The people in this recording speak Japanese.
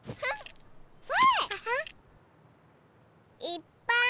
いっぱい！